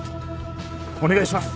お願いします！